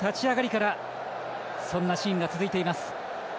この試合の立ち上がりからそんなシーンが続いています。